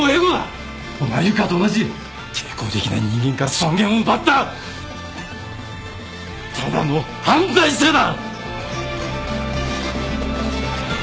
お前は湯川と同じ抵抗できない人間から尊厳を奪ったただの犯罪者だ！